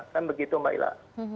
kan begitu mbak ilha